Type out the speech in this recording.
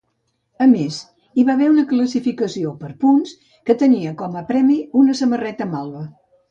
A més, hi va haver una classificació per punts, que tenia com a premi una samarreta malva.